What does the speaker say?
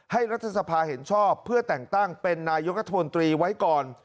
รัฐสภาเห็นชอบเพื่อแต่งตั้งเป็นนายกรัฐมนตรีไว้ก่อน